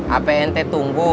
apa ente tunggu